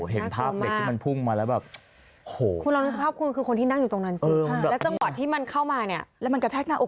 เห็นภาพเด็กที่พ่งมาแล้วแบบโอ้โห